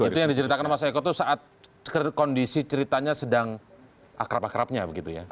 itu yang diceritakan pak saeko saat kondisi ceritanya sedang akrab akrabnya begitu ya